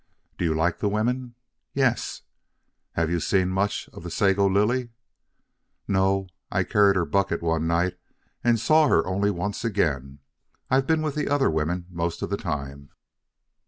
"Do you like the women?" "Yes." "Have you seen much of the Sago Lily?" "No. I carried her bucket one night and saw her only once again. I've been with the other women most of the time."